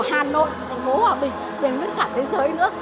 hòa bình đến với cả thế giới nữa